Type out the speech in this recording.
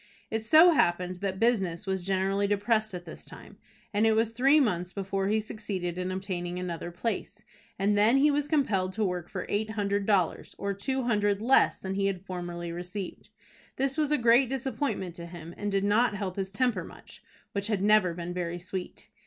It so happened that business was generally depressed at this time, and it was three months before he succeeded in obtaining another place, and then he was compelled to work for eight hundred dollars, or two hundred less than he had formerly received. This was a great disappointment to him, and did not help his temper much, which had never been very sweet.